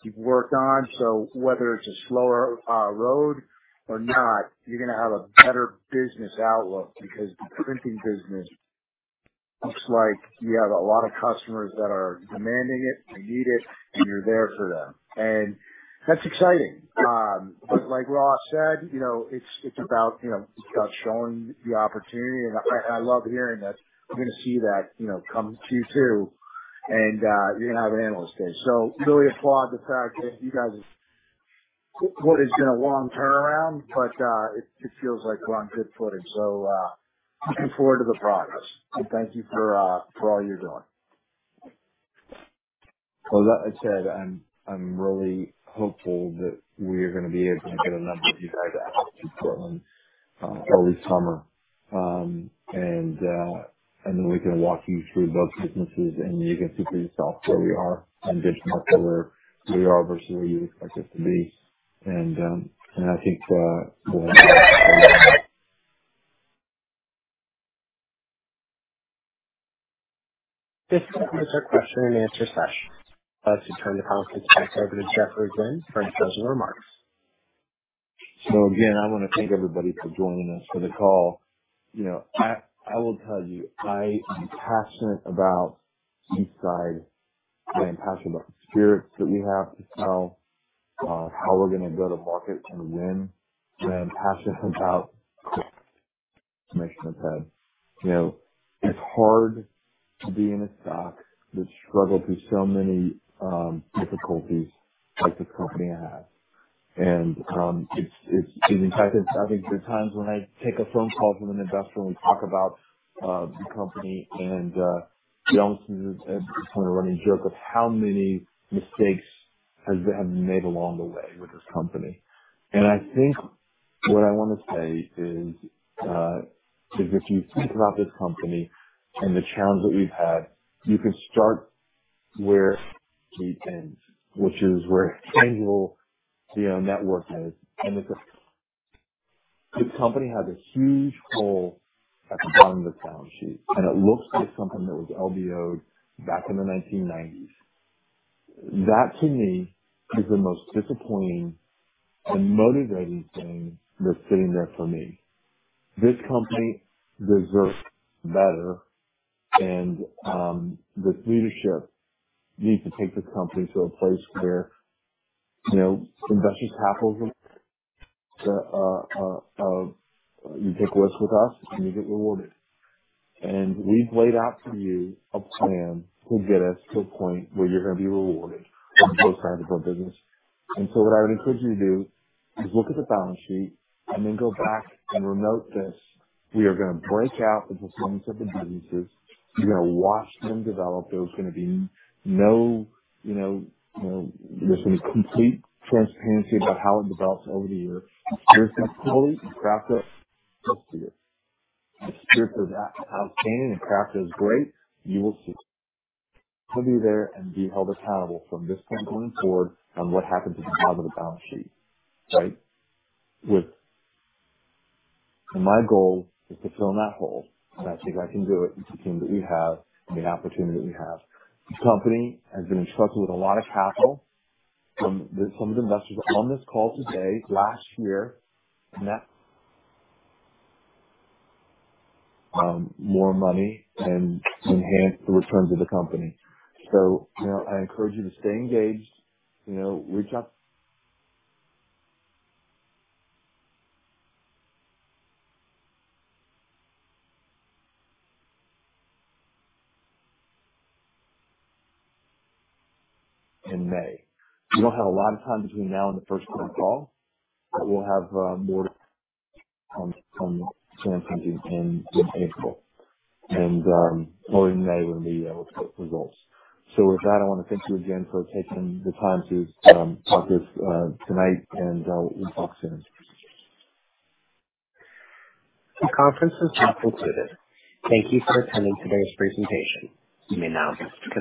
you've worked on. So whether it's a slower road or not, you're gonna have a better business outlook because the printing business looks like you have a lot of customers that are demanding it. They need it, and you're there for them. That's exciting. Like Ross said, you know, it's about, you know, it's about showing the opportunity. I love hearing that we're gonna see that, you know, come Q2 and you're gonna have an analyst day. I really applaud the fact that you guys what has been a long turnaround, but it feels like we're on good footing. Looking forward to the progress. Thank you for all you're doing. Well, that being said, I'm really hopeful that we are gonna be able to get a number of you guys out to Portland early summer. We can walk you through both businesses and you can see for yourself where we are and judge more for where we are versus where you expect us to be. I think we'll- This concludes our question and answer session. I'd like to turn the conference back over to Geoffrey Gwin for any closing remarks. Again, I wanna thank everybody for joining us for the call. You know, I will tell you, I am passionate about Eastside and passionate about the spirits that we have to sell, how we're gonna go to market and win, and I'm passionate about the transformation ahead. You know, it's hard to be in a stock that's struggled through so many difficulties like this company has. In fact, it's, I think there are times when I take a phone call from an investor and we talk about the company and the ultimate is kind of running joke of how many mistakes have been made along the way with this company. I think what I wanna say is if you think about this company and the challenge that we've had, you can start where it ends, which is where Tangle, you know, Network is. This company has a huge hole at the bottom of the balance sheet, and it looks like something that was LBO'd back in the 1990s. That to me is the most disappointing and motivating thing that's sitting there for me. This company deserves better and this leadership needs to take this company to a place where, you know, investors have over, you take risks with us and you get rewarded. We've laid out for you a plan to get us to a point where you're gonna be rewarded on both sides of our business. What I would encourage you to do is look at the balance sheet and then go back and re-note this. We are gonna break out the performance of the businesses. You're gonna watch them develop. There's gonna be no, you know, there's gonna be complete transparency about how it develops over the year. If you're successfully Craft that up to you. If spirits are outstanding and Craft is great, you will see. We'll be there and be held accountable from this point going forward on what happens at the bottom of the balance sheet, right? My goal is to fill in that hole, and I think I can do it with the team that we have and the opportunity that we have. This company has been invested with a lot of capital. Some of the investors on this call today, last year, net... More money and enhance the returns of the company. You know, I encourage you to stay engaged. You know, reach out. In May. We don't have a lot of time between now and the first quarter call, but we'll have more on Sam's Fund in April. Early May, we'll be able to put results. With that, I wanna thank you again for taking the time to talk this tonight, and I'll talk soon. The conference has now concluded. Thank you for attending today's presentation. You may now disconnect.